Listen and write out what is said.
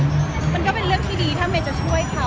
มันก็เป็นเรื่องที่ดีถ้าเมย์จะช่วยเขา